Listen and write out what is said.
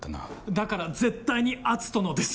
だから絶対に篤斗のです！